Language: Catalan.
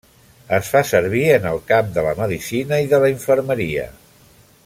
Es fa servir en el camp de la medicina i de la infermeria.